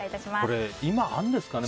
これ、今あるんですかね？